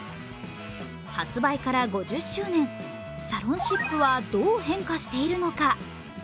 発売から５０周年、サロンシップはどう変化しているのか？